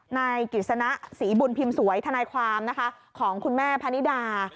ในกฤษณะศรีบุญพิมพ์สวยธนายความของคุณแม่พะนิดา